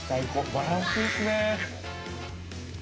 バランスいいっすね。